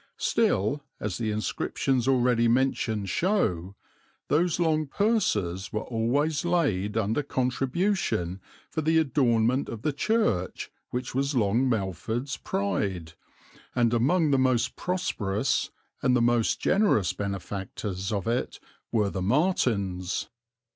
Still, as the inscriptions already mentioned show, those long purses were always laid under contribution for the adornment of the church which was Long Melford's pride, and among the most prosperous and the most generous benefactors of it were the Martins or Martyns.